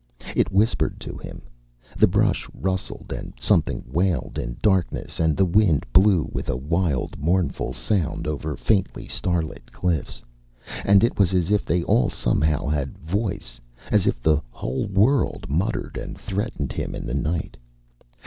It whispered to him. The brush rustled and something wailed in darkness and the wind blew with a wild mournful sound over faintly starlit cliffs, and it was as if they all somehow had voice, as if the whole world muttered and threatened him in the night.